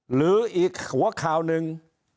หรืออีกหัวข่าวหนึ่ง